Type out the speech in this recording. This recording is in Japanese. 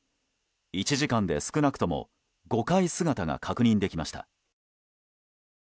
１時間で少なくとも５回、姿が確認できました。